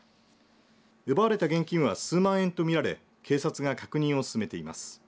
奪われた現金は数万円と見られ警察が確認を進めています。